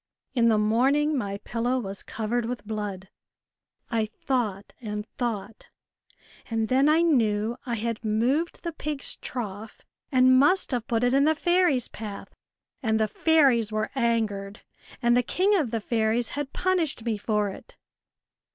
In the morning my pillow was covered with blood. I thought and thought, and then I knew I had moved the pig's trough and must have put it in the fairies' path and the fairies were angered, and the king of the fairies had punished me for it."